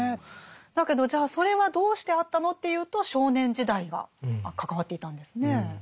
だけどじゃあそれはどうしてあったのっていうと少年時代が関わっていたんですね。